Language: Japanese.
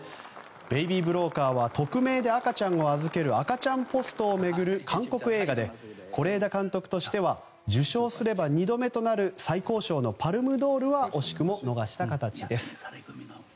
「ベイビー・ブローカー」は匿名で赤ちゃんを預ける赤ちゃんポストを巡る韓国映画で是枝監督としては受賞すれば２度目となる最高賞のパルム・ドールは惜しくも逃した形です。